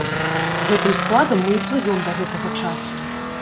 Гэтым складам мы і плывём да гэтага часу.